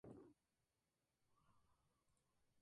Con base en este análisis, realizan las acciones pertinentes.